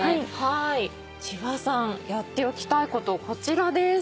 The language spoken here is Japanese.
千葉さんやっておきたいことこちらです。